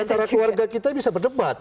antara keluarga kita bisa berdebat